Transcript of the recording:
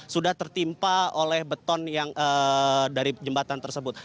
sudah tertimpa oleh beton yang dari jembatan tersebut